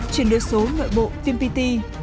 triển đổi số ngợi bộ vmpt